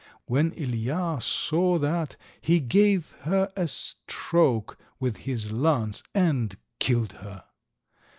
When Ilija saw that he gave her a stroke with his lance and killed her.